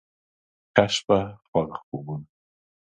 ښه شپه، خواږه خوبونه